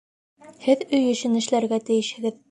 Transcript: Һеҙ өй эшен эшләргә тейешһегеҙ